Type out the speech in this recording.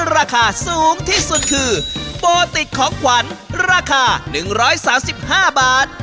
ราคาสูงที่สุดคือโบติกของขวัญราคา๑๓๕บาท